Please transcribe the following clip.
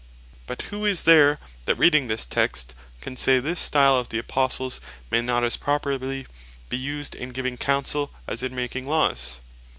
But who is there, that reading this Text, can say, this stile of the Apostles may not as properly be used in giving Counsell, as in making Laws?